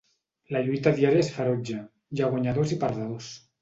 La lluita diària és ferotge, hi ha guanyadors i perdedors.